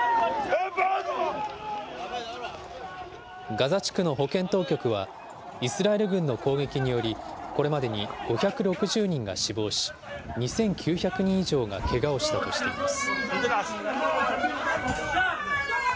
ガザ地区の保健当局は、イスラエル軍の攻撃により、これまでに５６０人が死亡し、２９００人以上がけがをしたとしています。